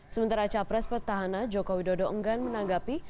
sementara capres pertahanan jokowi dodo enggan menanggapi